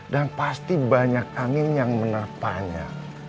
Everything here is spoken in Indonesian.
dan pasti banyak angin yang menerpanya